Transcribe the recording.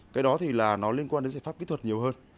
cái đó thì là nó liên quan đến giải pháp kỹ thuật nhiều hơn